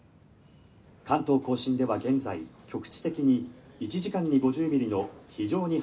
「関東甲信では現在局地的に１時間に５０ミリの非常に激しい雨が」